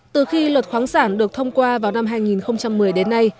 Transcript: từ khi luật khoáng sản được thông qua vào năm hai nghìn một mươi đến nay